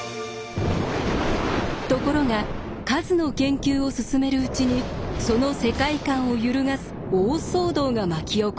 ところが数の研究を進めるうちにその世界観を揺るがす大騒動が巻き起こります。